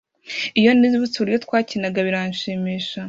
Iyo nibutse uburyo twakinanaga birashimisha